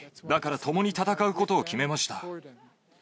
だから共に戦うことを決めました。